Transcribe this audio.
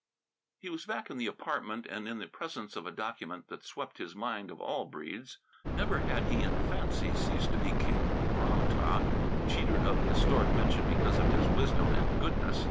He was back in the apartment and in the presence of a document that swept his mind of all Breedes. Never had he in fancy ceased to be king Ram tah, cheated of historic mention because of his wisdom and goodness.